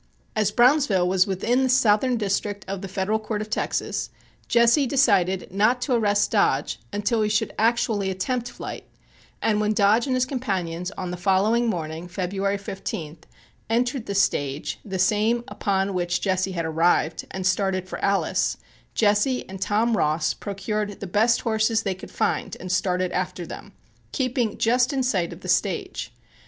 As Brownsville was within the Southern District of the Federal Court of Texas, Jesse decided not to arrest Dodge until he should actually attempt flight, and when Dodge and his companions, on the following morning, February 15th, entered the stage (the same upon which Jesse had arrived) and started for Alice, Jesse and Tom Ross procured the best horses they could find and started after them, keeping just in sight of the stage.